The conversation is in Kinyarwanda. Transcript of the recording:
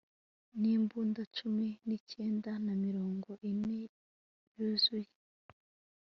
nimbunda cumi n'icyenda na mirongo ine yuzuye